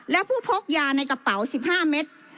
และผู้พกยาในกระเป๋า๑๕เม็ด